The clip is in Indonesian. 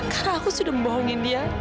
karena aku sudah membohongin dia